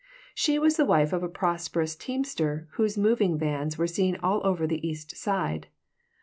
She was the wife of a prosperous teamster whose moving vans were seen all over the East Side.